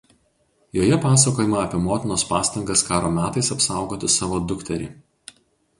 Joje pasakojama apie motinos pastangas karo metais apsaugoti savo dukterį.